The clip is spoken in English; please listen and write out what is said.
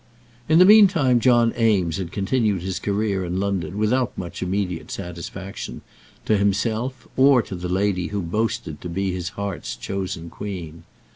In the meantime John Eames had continued his career in London without much immediate satisfaction to himself, or to the lady who boasted to be his heart's chosen queen.